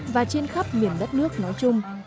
và trên khắp miền đất nước nói chung